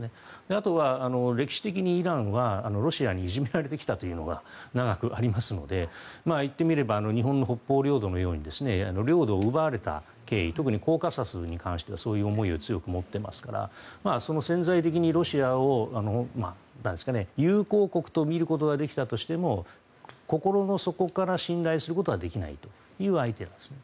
あとは歴史的にイランはロシアにいじめられてきたというのが長くありますので、言ってみれば日本の北方領土のように領土を奪われた経緯特にコーカサスに関してはそういう思いを強く持っていますから、潜在的にロシアを友好国と見ることができたとしても心の底から信頼することはできないという相手なんです。